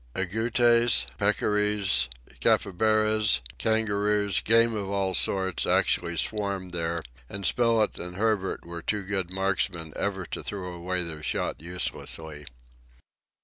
Agouties, peccaries, capybaras, kangaroos, game of all sorts, actually swarmed there, and Spilett and Herbert were too good marksmen ever to throw away their shot uselessly.